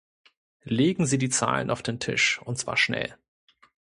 Legen Sie die Zahlen auf den Tisch und zwar schnell!